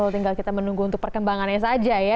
tinggal kita menunggu untuk perkembangannya saja ya